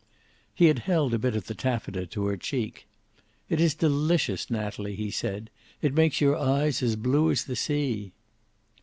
He had held a bit of the taffeta to her cheek. "It is delicious, Natalie," he said. "It makes your eyes as blue as the sea."